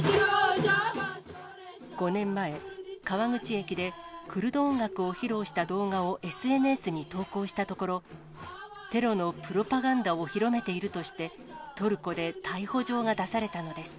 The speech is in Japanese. ５年前、川口駅でクルド音楽を披露した動画をＳＮＳに投稿したところ、テロのプロパガンダを広めているとして、トルコで逮捕状が出されたのです。